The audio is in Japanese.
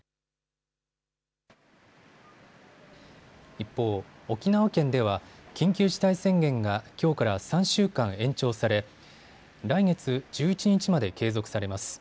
一方、沖縄県では緊急事態宣言がきょうから３週間延長され来月１１日まで継続されます。